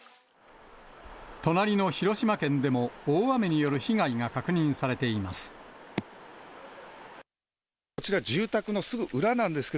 隣の広島県でも大雨による被害が確認されています。